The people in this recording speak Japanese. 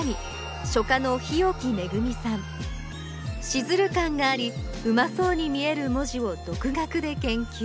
シズル感がありうまそうに見える文字を独学で研究。